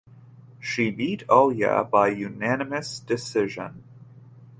She beat Oya by unanimous decision.